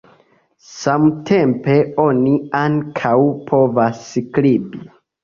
Samtempe oni ankaŭ povas skribi.